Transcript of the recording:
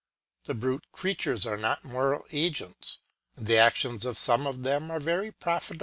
The brute creatures are not moral agents : the actions of some of them are very profitable 5ECT.